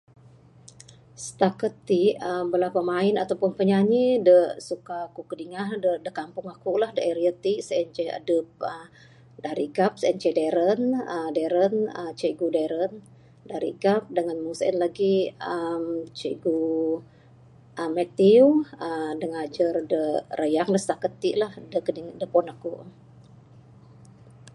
Stakat ti bala pemain ato penyanyi da suka ku kidingah ne da kampung aku la da area ti sien ce adep dari gap sien ce Darren uhh cikgu Darren dari gap dangan meng sien lagih uhh cikgu Matthew uhh da ngajar da rayang stakat ti lah da kiding da puan aku.